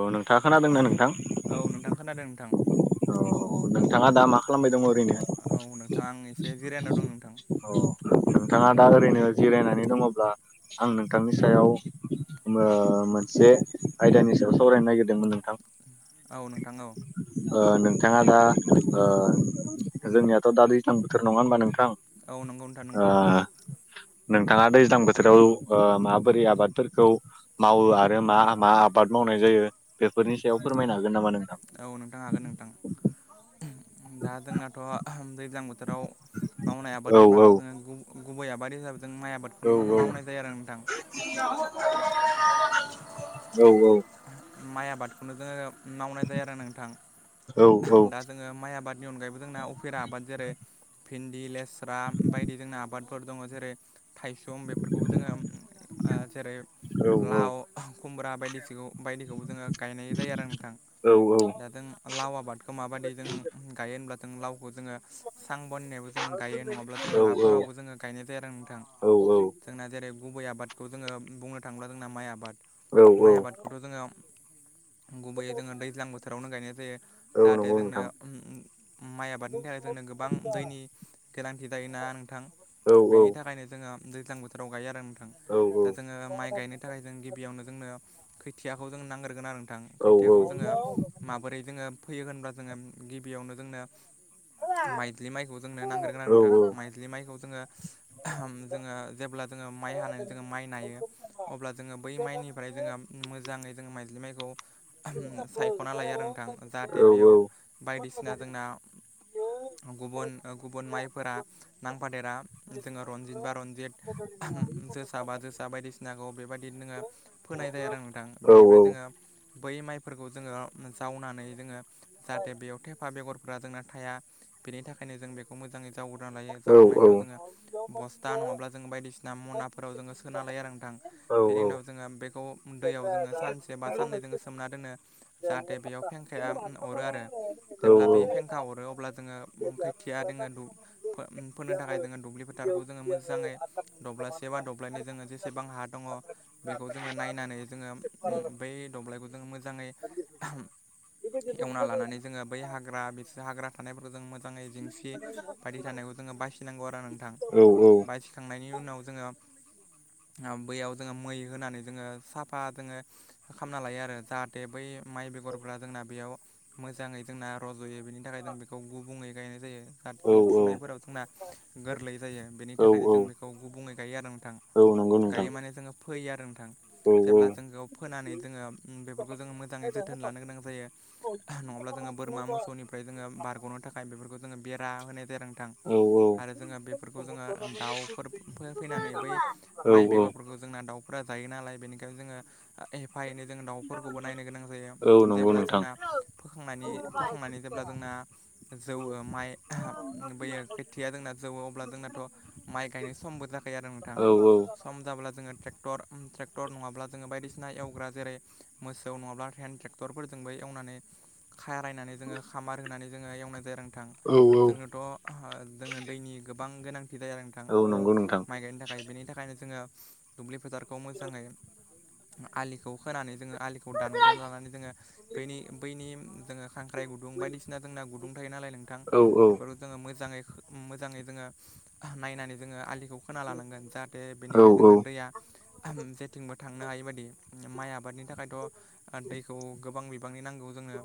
औ नोंथांङा खोनादोंना नोंथां? औ नोंथां खोनादों नोंथां। औ नोंथाङा दा मा खालामबाय दं ओरैनो? औ नोंथां आं एसे जिरायनायाव दं नोंथां। अ नोंथांङा दा ओरैनो जिरायनानै दंङब्ला आं नोंथांनि सायाव मो मोनसे आयदानि सायाव सावरायनो नागिरदोंमोन नोंथां। औ नोंथां औ ओ नोंथांङा दा ओ जोंनियाथ दा दैज्लां बोथोर नंङा होमबा नोंथां। औ नंगौ नोंथां नंगौ। नोंथांङा दैज्लां बोथोराव ओ माबोरै आबादफोरखौ मावो आरो मा मा आबाद मावनाय जायो बेफोरनि सायाव फोरमायनो हागोन नामा नों औ नोंथां हागोन नोंथां दा जोंनाथ दैज्लां बो थोराव मावनाय औ आबाद होनबाथ जोंङो औ गुब गुबै आबाद हिसाबै जों माइ आबादखौनो औ मावनाय जायो आरो नोंथां। औ औ माइ आबादखौनो जोंङो मावनाय जायो आरो नोंथां। औ औ दा जोंङो माइ आबादनि अनगायैबो जोंना अफेरा आबाद जेरै भिन्दि लेस्रा बायदि जोंना आबादफोर दङ जेरै थायसुम बेफोरखौ जोङो जेरै लाव खुमब्रा बायदिसिखौ बायदिखौ जोङो गायनाय जायो आरो नोंथां औ दा जों लाव आबादखौ माबायदि जों गायो ब्ला जों लाव खौ जोङो सां बननायबो जोङो गायो नङाब्ला जोङो औ औ हाफोरावबो जोङो गायनाय जायो आरो नोंथां। औ जोंना जेरै गुबै आबादखौ जोङो बुंनो थाङल्बा जोंना माइ आबाद। औ औ माइ आबादखौथ' जोङो गुबैयै जोङो दैज्लां बोथोरावनो गायनाय जायो औ जाहाथे नंगौ जोंनो नोंथां माइ आबादनि थाखाय जोंनो गोबां दैनि गोनांथि जायोना नोंथां औ औ बेनि थाखायनो जोङो दैज्लां बोथोराव गायो आरो नोंथां औ दा जोङो माइ गायनो थाखाय जों गिबियावनो जोंनो खैथियाखौ जों नांग्रोन आरो थां औ खोथियाखौ जोङो माबोरै जोङो फैयो होनब्ला जोङो गिबियावनो जोंनो [unintelligible] माइद्लि माइखौ जोंनो नांग्रोगोन आरो औ नोंथां माइद्लि माइखौ जोङो जोङो जेब्ला जोङो माइ हानो जोङो माइ नायो अब्ला जोङो बै माइनिफ्राय जोङो मोजाङै जोङो माइज्लि माइखौ सायख'ना लायो आरो नोंथां जाहाथे बेयाव बायदिसिना जोंना गुबुन गुबुन माइफोरा नांफादेरा जोङो रनजित बा रनजित जोसा बा जोसा बायदिसिनाखौ बेबायदि नोङो फोनाय जायो आर नोथां बेनिफ्राय जोङो बै माइफोरखौ जोङो जावनानै जोङो जाहाथे बेयाव थेफा बेगरफोरा जोंना थाया बेनि थाखायनो जों बेखौ मोजाङै जावग्रोना लायो जावखांनायनि उनाव जोङो बस्था नङाब्ला जोङो बायदिसिना मनाफोराव जोङो सोना लायो आरो नोंथां बेनि उनाव जोङो बेखौ दैयाव जोङो सानसे बा साननै जोङो सोमना दोनो जाहाथे बेयाव फेंखाया अरो आरो। जेब्ला बे फेंखा अरो अब्ला जोङो खोथिया दङो फोनो थाखाय जोङो दुब्लि फोथारखौ जोङो मोजाङै दब्लासे बा दब्लायनि जोङो जेसेबां हा दङ बेखौ जोङो नायनानै जोङो बै दब्लायखौ जोङो मोजाङै एवना लानानै जोङो बै हाग्रा बि हाग्रा थानायफोरखौ जों मोजाङै जेंसि बायदि थानायखौ जोङो बायसिनांगौ आरो नोंथां औ बासिखांनायनि उनाव जोङो बैयाव जोङो मै होनानै जोङो साफा जोङो खालामना लायो आरो जाहाथे बै माइ बेगरफ्रा जोंना बेयाव मोजाङै जोंना रज'यो बेनि थाखाय जों बेखौ गुबुंङै गायनाय जायो। औ औ फुनायफोराव जोंना गोरलै जायो बेनि थाखायनो जों बेखौ गुबुंङै गायो आरो नोंथां औ नंगौ नोंथां गायो माने जोङो फैयो आरो नोंथां। औ जेब्ला औ जोंखौ फोनानै जोङो बेफोरखौ जोङो मोजाङै जोथोन लानो गोनां जायो नङाब्ला जोङो बोरमा मोसौनिफ्राय जोङो बारग'नो थाखाय बेफोरखौ जोङो बेरा होनाय जायो आरो नोंथां। औ आरो जोङो बेफोरखौ जोङो दाउफोर फैनानै बै माइ औ बेगरफोरखौ जोंना दाउ फोरा जायो नालाय बेनिखायनो जोङो हेफा एनै जोंङो दाउफोरखौबो नायनो गोनां जायो औ नंगौ जेब्ला जोंना नोंथां फोखांनानै फोखांनानै जे ब्ला जोंना जौ माइ बोयो खोथिया जोंना जौवो अब्ला जोंनाथ' माइ गायनाय समबो जाखायो आरो नोंथां औ औ सम जाब्ला जोङो ट्रेटर ट्रेक्टर नङाब्ला जों बदिसिना एवग्रा जेरै मोसौ नङाब्ला हेन ट्रेक्टरफोरजोंबो एवनानै खारायनानै जोङो खामार होनानै जोङो एवनाय जायो आरो औ नोंथां। जोंनोथ' जोंनो दैनि गोबां गोनां थि जायो आरो नोंथां औ उम नंगौ नोंथां माइ गायनो थाखाय बेनि थाखायनो जोङो दुब्लि फोथारखौ मोजाङै आलिखौ होनानै जोङो आलिखौ दानग्रोन लानानै जोङो बेनि बैनि जोङो खांख्राइ गुदुं बायदिसिना जोंना गुदुं थायोना नोंथां औ औ बेफोरखौ जोङो मोजाङै जोङो नायनानै जोङो आलि खौ खोना लानांगोन जाहाथे बेनिफ्राय जोंना दैया उम जे थिंबो थांनो हायि बायदि माइ आबादनि थाखायथ' आरो दैखौ गोबां बिबांनि नांगौ जोङनो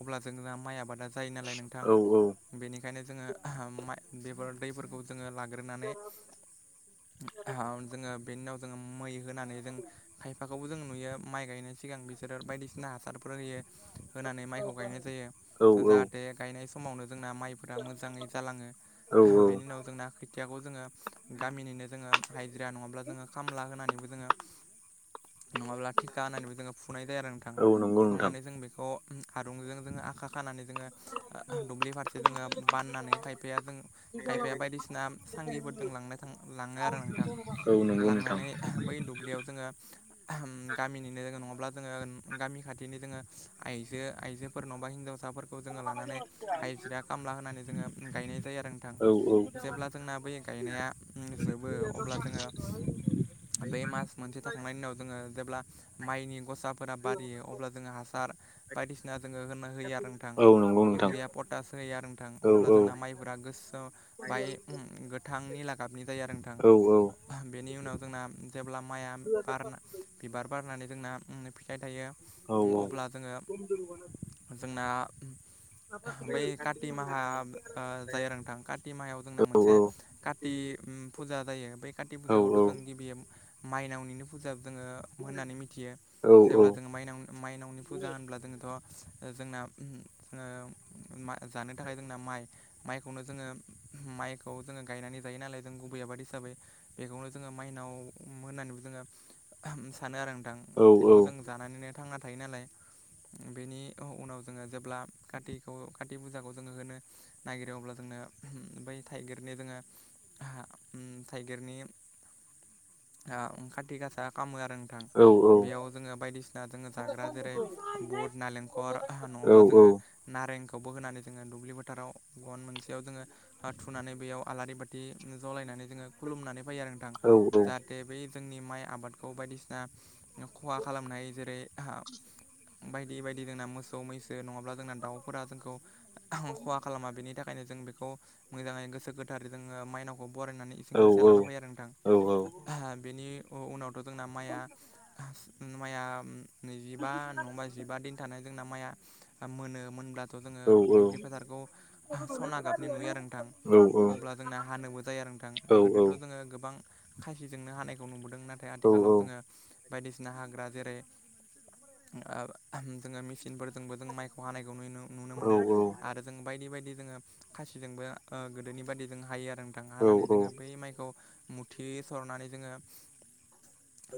अब्ला जोंहा माइ आबादा जायो नालाय नोंथां औ बेनिखायनो जोङो बेफोर दैफोरखौ जोङो ला ग्रोनानै जोङो बेनि उनाव जोङो मै होनानै जों खायफाखौबो जों नुयो माइ गायनोसै सिगां बिसोरो बायदिसिना हासारफोर होयो होनानै माइखौ गायनाय जायो औ औ जाहाथे गायनाय समावनो जोंना माइफोरा मोजाङै जालाङो औ बेनि उनाव जोंना खोथियाखौ जोङो गामिनिनो जोङो हाइजिरा नङाब्ला जोङो खामला होनानैबो जोङो नङाब्ला थिखा होनानैबो जोङो फुनाय जाया आरो नोंथां औ नंगौ नोंथां फुखांनानै जों बेखौ आरूंजों जोङो आखा खानानै जोङो दुब्लि फारसे जोङो बाननानै खायफाया जों खायफाया बायदिसिना सांगि फोरजों लांना थां लाङो आरो नोंथां औ नंगौ नोंथां लांनानै बै दुब्लियाव जोङो गामिनिनो जोङो नङाब्ला जोङो गामि खाथिनि जोङो आइजो आइजोफोरनावबा हिनजाव साफोरखौ जोङो लानानै हाइजिरा खामला होनानै जोङो गायनाय जायो आरो नोंथां औ औ जेब्ला जोंना बै गायनाया जोबो अब्ला जोङो बे मास मोनसे थाखांनायनि उनाव जोङो जेब्ला माइनि ग'साफोरा बारियो अब्ला जोङो हासार बायदिसिना जोङो होना होयो आरो नोंथां इउरया पटास होयो आरो नोंथां औ अब्ला जोंना माइफोरा गोसो बाय गोथांनि लागाबनि जायो आरो नोंथां औ बेनि उनाव जोंना जेब्ला माइआ बारना बिबार बारनानै जोंना फिथाइ थायो अब्ला जोङो जोंना [inaudible] बै काति माहा जायो आरो नोंथां काति माहायाव जोंना मोनसे कति फुजा जायो बै काति फुजाखौथ' जों गिबि माइनावनिनो फुजा जोङो होननानै मिथियो जेब्ला जोङो माइनाव माइनावनि फुजा होनब्ला जोङोथ' जोंना ओ जानो थाखाय जोंना माइ माइखौनो जोङो माइखौ जोङो गायनानै जायो नालाय जों गुबै आबाद हिसाबै बेखौनो जोङो माइनाव होननानैबो जोङो सानो आरो नोंथां बेखौ जों जानानैनो थांना थायो नालाय बेनि उनाव जोङो जेब्ला खातिखौ खाति फुजाखौ जोङो होनो नागिरो अब्ला जों ओ बै थाइगिरनि दोङो ओम थाइगिरनि खाथि गासा खामो आरो नोंथां बेयाव जोङो बायदिसिना जोङो जाग्रा जेरै बुट नालेंखर नङाब्ला जोङो नारेंख बो होनानै जोङो दुब्लि फोथाराव गन मोनसेयाव जोङो थुनानै बेयाव आलारि बाथि जलायनानै नानै जोङो खुलुमनानै फैयो आरो नोंथां औ जाहाथे बै जोंनि माइ आबादखौ बायदिसिना ख'हा खालामनाय जेरै बायदि बायदि जोंना मोसौ मैसो नङाब्ला जोंना दाउफोरा जोंखौ ख'हा खालामा बेनि थाखाय खायनो जों बेखौ मोजाङै गोसो गोथारै जोङो माइनावखौ बरायनानै इसिं फारसे औ लाना फैयो आरो नोंथां। बेनि उनावथ' जोंना माइया माइया नैजिबा नङाबा जिबा दिन थानाय जोंना माया मोनोमोनब्ला थ' जोङो दुब्लि फोथारखौ सना गाबनि नुयो आरो नोंथां। अब्ला जोंना हानोबो जायो नोंथां गोदोथ' जोङो गोबां खायसिजोंनो हानायखौ नुबोदों नाथाय आथिखालाव जोङो बायदिसिना हाग्रा जेरै जोङो ओ मेचिनफोरजोंबो जों माइखौ हानाय नुनो मोनो आरो जों बायदि बायदि जोङो खासिजोंबो ओ गोदोनि बायदि जों हायो आरो थां हानानै जोङो बै माइखौ मुथि सरनानै जोङो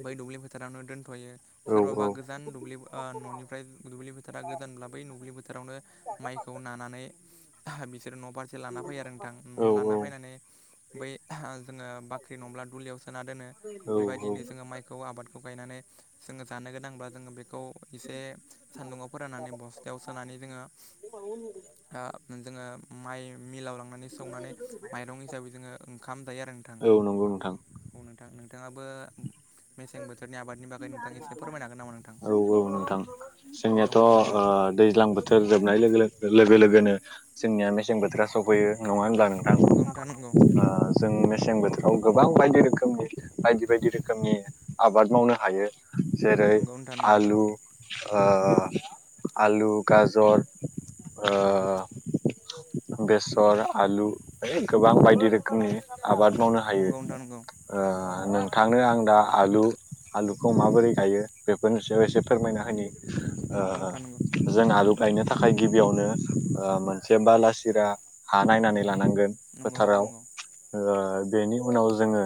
बै दुब्लि फोथारावनो दोनथ'यो सोरबाबा गोजान दुब्लि ओ न'निफ्राय दुब्लि फोथारा गोजानब्ला बै दुब्लि फोथारावनो माइखौ नानानै बिसोरो न' फारसे लाना फैयो आरो नोंथां लाना फैनानै बै जोङो बा नंडाब्ला दुलियाव सोना दोनो बेबायदिनो जोङो माइखौ आबादखौ गायनानै जो जानो गोनांब्ला जों बेखो खौ एसे सान्दुंङाव फोराननानै बस्थायाव सोनानै जोङो दा जोङो माइ मिलाव लांनानै सौनानै माइरं हिसाबै जोङो ओंखाम जायो आरो नोंथां ओ नोंथां औ नोंथाङाबो मेसें बोथोरनि आबादनि बागै नोंथाङाबो एसे फोरमायनो हागोन नामा नोंथां औ औ नोंथां जोंनियाथ' औ नोंथां औ दैज्लां बोथोर जोबनाय लोगो लोगो लोगोनो जोंनिया मेसें बोथोरा सफैयो नङा होनब्ला नंगौ नोंथां नंगौ नोंथांखौ जों मेसें बोथोराव गोबां बायदि रोखोमनि बायदि बायदि रोखोमनि आबाद मावनो हायो। जेरै नंगौ नोंथां नंगौ आलु ओ आलु, ओ गाजर बेसर आलु गोबां बायदि रोखोमनि आबाद मावनो हायो नोंथांनो आं दा आलु आलुखौ माबोरै गायो बेफोरनिसायाव एसे फोरमायना होै नंगौ नोंथां जों आलु गायनो थाखाय गिबियावनो मोनसे बाला साहिया हा नायनानै लानांगोन फोथाराव नंगौ बेनि उनाव जोङो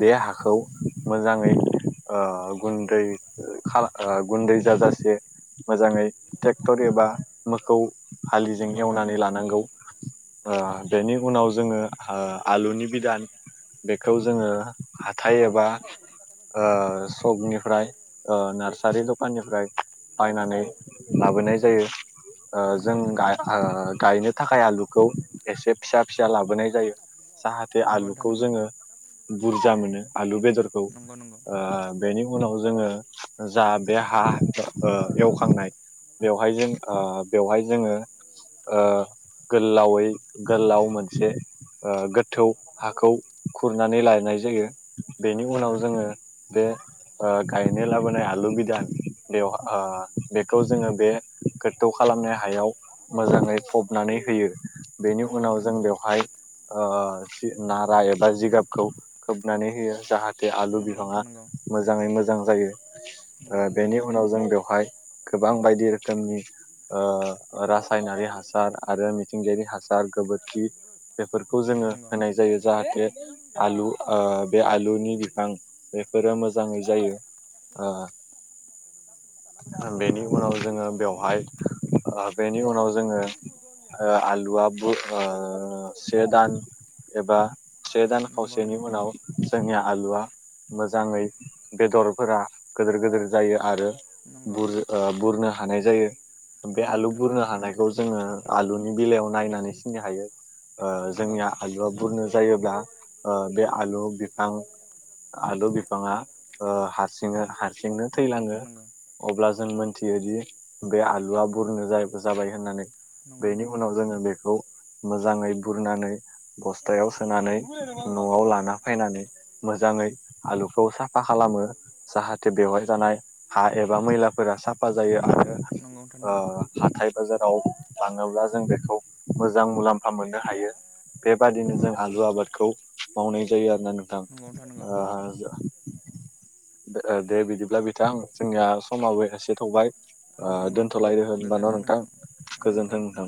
बे हाखौ मोजाङै गुन्दै गुन्दै जाजासे मोजाङै ट्रेक्टर एबा मोखौ नंगौ हालिजों नोंथां एवनानै नंगौ लानांगौ बेनि उनाव जोङो आलुनि बिदान बेखौ जोङो हाथाय एबा सकनिफ्राय नार्सारि दखाननिफ्राय बायनानै लाबोनाय जायो नंगौ जों नोंथां नंगौ गायनो थाखाय आलुखौ एसे फिसा फिसा लाबोनाय जायो जाहाथे आलुखौ जोङो। बुरजा मोनो आलु बेदरखौ नंगौ नोंथां नंगौ नोंथां बेनि उनाव जोङो जा बे हा एवखांनाय बेवहाय जों बेवहाय जोङो। गोलावै गोलाव मोनसे गोथौ हाखौ खुरनानै लानाय जायो बेनि उनाव नंगौ जोङो बे गायनो लाबोनाय आलु बिदान बेवहाय बेखौ जोङो बे गो्थौ खालामनो हायाव मोजाङै फबनानै होयो। बेनि नंगौ नोंथां उनाव जों नंगौ बेवहाय जि नारा एबा जिगाबखौ खोबनानै होयो जाहाथे आलु नंगौ नंगौ नोंथां नंगौ नोंथां नंगौ नोंथां बिफाङा। मोजाङै मोजां नंगौ जायो बेनि उनाव जों बेवहाय गोबां बायदि रोखोमनि रासायनारि हासार आरो मिथिंगायारि हासार। गोबोर खि बेफोरखौ जोङो होनाय जायो जाहाथे आलु बे आलुनि बिफां। बेफोरो मोजाङै जायो। बेनि उनाव जोङो बेवहाय। बेनि उनाव जोङो आलुआ ब से दान एबा से दान खावसेनि उनाव जोंनिया आलुआ मोजाङै बेदरफोरा गिदिर गिदिर जायो आरो बुर बुरनो हानाय जायो बे आलु बुरनो हानायखौ जोङो। आलुनि बेलायाव नायनानै सिनो हायो। जोंनिया आलुआ बुरनो जायोब्ला बे आलु बिफां। आलु बिफाङा हारसिनो हारसिंनो नंगौ थैलाङो नोंथां नंगौ अब्ला जों मोनथियो दि बे आलुआ खुरनो जाबाय होननानै। नंगौ नोंथां नंगौ नोंथां नंगौ नोंथां नंगौ नोंथां नंगौ नोंथां नंगौ नोंथां नंगौ बेनि उनाव जोङो बेखौ। मोजाङै खुरनानै बस्थायाव सोनानै न'आव लाना फैनानै मोजाङै। आलुखौ साफा खालामो जाहाथे बेवहाय जानाय हा एबा मैलाफोरा साफा जायो आरो। [unintelligible] हाथाय बाजाराव थाङोब्ला जों बेखौ मोजां मुलाम्फा मोननो हायो। बेबादिनो जों आलु आबादखौ मावनाय जायो आरोना नोंथां। नंगौ नंगौ दे बिदिब्ला बिथां जोंनिया समाबो एसे थौबाय नंगौ नोंथां नंगौ दोन्थ'लायदो होन होनबान' गोजोन्थों नोंथां गोजोन्थों नोंथां।